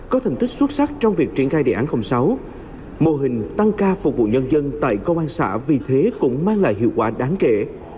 có thành tích xuất sắc trong việc triển khai đề án sáu mô hình tăng ca phục vụ nhân dân tại công an xã vì thế cũng mang lại hiệu quả đáng kể